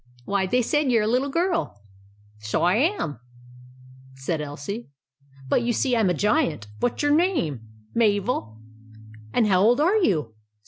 Why, they said you were a little girl !"" So I am," said Elsie ;" but you see I 'm a Giant. What 's your name ?"« Mabel." " And how old are you